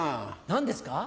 何ですか？